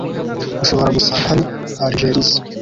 ushobora gusanga hari allergies